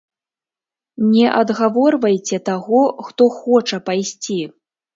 Не адгаворвайце таго, хто хоча пайсці.